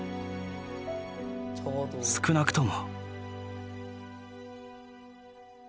少なくとも。